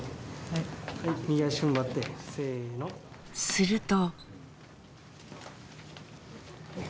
すると。